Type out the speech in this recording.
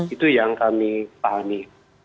itu yang kami pahami